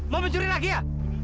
mau mencuri lagi ya